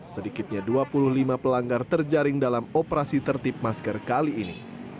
sedikitnya dua puluh lima pelanggar terjaring dalam operasi tertip masker kali ini